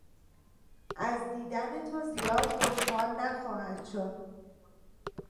از دیدن تو زیاد خوشحال نخواهد شد.